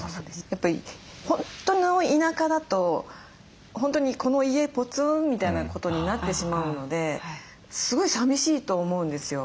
やっぱり本当の田舎だと本当にこの家ポツンみたいなことになってしまうのですごい寂しいと思うんですよ。